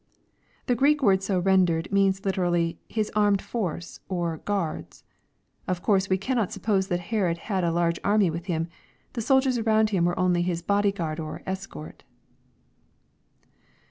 ] The Greek word so rendered, means literally, " his armed force," or '' guards." Of course we cannot suppose that Herod had a large army with him. The soldiers around him were only his body guard or escort.